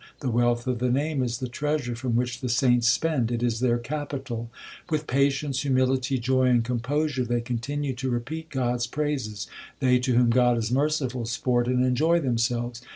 The wealth of the Name is the treasure from which the saints spend ; it is their capital. With patience, humility, joy, and composure they con tinue to repeat God s praises. They to whom God is merciful sport and enjoy themselves.